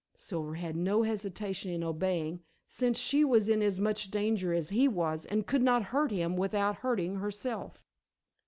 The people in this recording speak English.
Silver had no hesitation in obeying, since she was in as much danger as he was and could not hurt him without hurting herself.